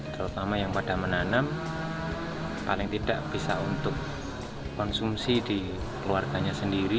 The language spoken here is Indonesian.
terutama yang pada menanam paling tidak bisa untuk konsumsi di keluarganya sendiri